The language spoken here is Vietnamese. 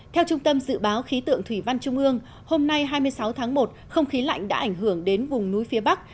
theo trung tâm dự báo khí tượng thủy văn trung ương hôm nay hai mươi sáu tháng một không khí lạnh đã ảnh hưởng đến vùng núi phía bắc